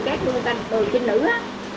mê cái đồi cát của người ta đồi trinh nữ á